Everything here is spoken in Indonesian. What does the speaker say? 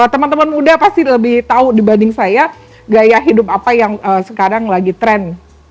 teman teman muda pasti lebih tahu dibanding saya gaya hidup apa yang sekarang lagi trend